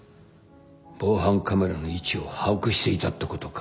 防犯カメラの位置を把握していたってことか。